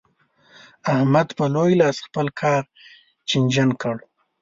احمد په لوی لاس خپل کار چينجن کړ.